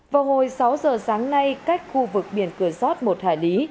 vào hồi sáu giờ sáng nay cách khu vực biển cửa sót một hải lý